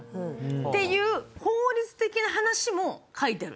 っていう法律的な話も書いてある。